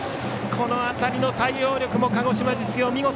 この辺りの対応力も鹿児島実業、見事。